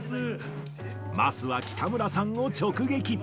桝は北村さんを直撃。